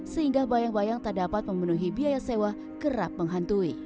sehingga bayang bayang tak dapat memenuhi biaya sewa kerap menghantui